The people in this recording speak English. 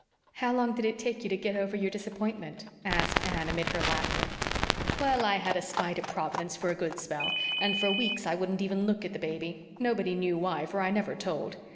"How long did it take you to get over your disappointment?" asked Anne, amid her laughter. "Well, I had a spite at Providence for a good spell, and for weeks I wouldn't even look at the baby. Nobody knew why, for I never told.